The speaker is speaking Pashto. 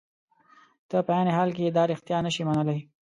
ته په عین حال کې دا رښتیا نشې منلای.